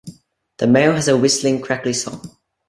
The male has a whistling, crackly song.